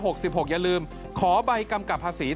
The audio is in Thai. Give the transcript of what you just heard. โทษภาพชาวนี้ก็จะได้ราคาใหม่